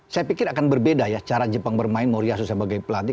saya pikir akan berbeda ya cara jepang bermain moriaso sebagai pelatih